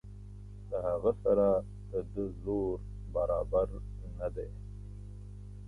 له هغه سره د ده زور برابر نه دی.